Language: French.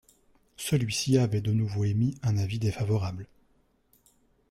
Celui-ci avait de nouveau émis un avis défavorable.